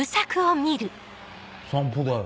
散歩だよ。